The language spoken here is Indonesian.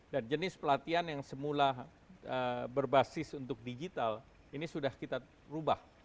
dan jenis pelatihan yang semula berbasis untuk digital ini sudah kita rubah